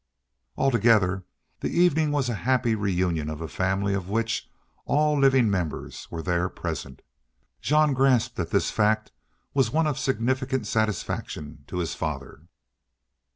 Altogether the evening was a happy reunion of a family of which all living members were there present. Jean grasped that this fact was one of significant satisfaction to his father.